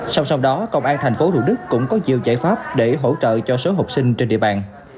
song song đó công an thành phố thủ đức cũng có nhiều giải pháp để hỗ trợ cho số học sinh trên địa bàn